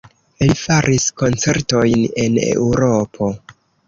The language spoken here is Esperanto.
Li faris koncertojn en Eŭropo.